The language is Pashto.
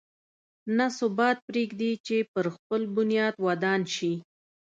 نه ثبات پرېږدي چې پر خپل بنیاد ودان شي.